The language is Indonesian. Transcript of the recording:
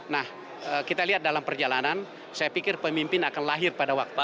nah kita lihat dalam perjalanan saya pikir pemimpin akan lahir pada waktu